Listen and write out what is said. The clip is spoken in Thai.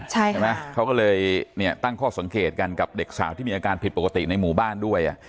ใช่ไหมเขาก็เลยเนี่ยตั้งข้อสังเกตกันกับเด็กสาวที่มีอาการผิดปกติในหมู่บ้านด้วย